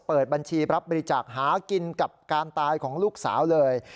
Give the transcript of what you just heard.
เปิดบัญชีรับบริจาคหากินกับการตายของลูกสาวเลย